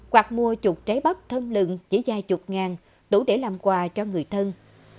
hoặc mua chục trái bắp thân lừng chỉ dài chục ngàn đủ để làm quà cho người thân